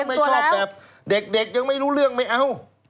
สมบูรณ์รู้เรื่องแล้วไม่ชอบแบบเด็กยังไม่รู้เรื่องไม่เอา